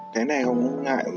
thế này không có ngại đâu